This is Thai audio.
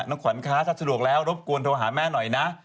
น้องขวัญคะถ้าสะดวกแล้วรบกวนโทรหาแม่หน่อยนะ